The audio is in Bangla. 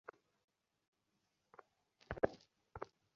কিন্তু সরেজমিনে এসব জমি সরকারের দখলে থাকার কোনো প্রমাণ পাওয়া যায়নি।